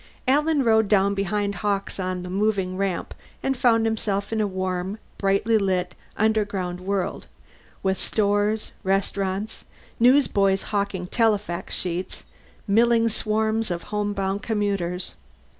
Alan rode down behind Hawkes on the moving ramp and found himself in a warm, brightly lit underground world with stores, restaurants, newsboys hawking telefax sheets, milling swarms of homebound commuters.